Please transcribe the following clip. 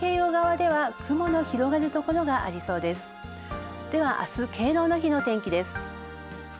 では、明日敬老の日の天気です。